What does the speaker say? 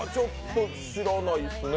知らないですね。